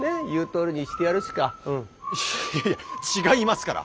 いや違いますから！